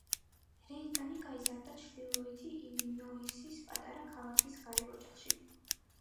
რეიგანი გაიზარდა ჩრდილოეთი ილინოისის პატარა ქალაქის ღარიბ ოჯახში.